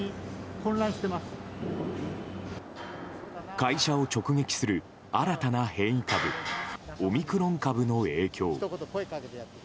会社を直撃する新たな変異株オミクロン株の影響。